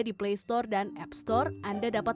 di play store dan app store anda dapat